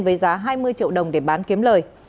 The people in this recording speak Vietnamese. với giá hai mươi triệu đồng để bán kiếm lời